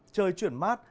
trời chuyển mát